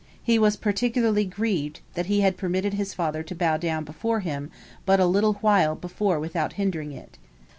He was particularly grieved that he had permitted his father to bow down before him but a little while before without hindering it.